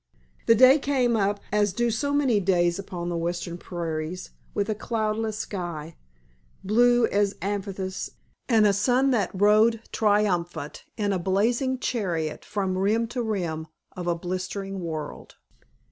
The day came up, as do so many days upon the western prairies, with a cloudless sky, blue as amethyst, and a sun that rode triumphant in a blazing chariot from rim to rim of a blistering world.